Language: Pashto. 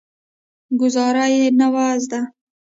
ګوزارا یې نه وه زده.